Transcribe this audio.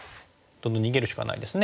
どんどん逃げるしかないですね。